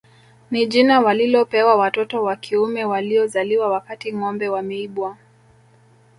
Ni jina walilopewa watoto wa kiume waliozaliwa wakati ngombe wameibwa